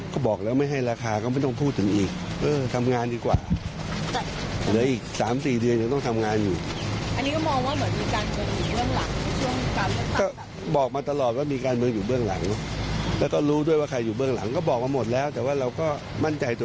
คุณอนุทินยังกล่าวถึงกรณีที่เจ้าหน้าที่สาธารณสุขเข้าค้นบาร์กัญชาในโรงแรมของคุณชวิต